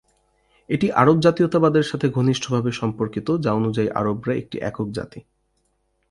এটি আরব জাতীয়তাবাদের সাথে ঘনিষ্ঠভাবে সম্পর্কিত যা অনুযায়ী আরবরা একটি একক জাতি।